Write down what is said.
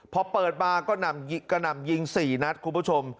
พอเปิดมาก็นำยิงสี่นัดคุณผู้ชม